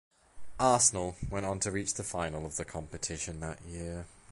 Arsenal went on to reach the final of the competition that year.